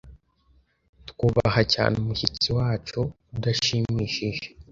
twubaha cyane umushyitsi wacu udashimishije.